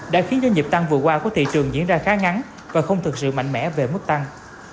đã khiến doanh nghiệp tăng vừa qua của thị trường diễn ra khá ngắn và không thực sự mạnh mẽ về mức tăng